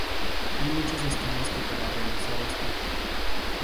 Hay muchos esquemas que para realizar esto.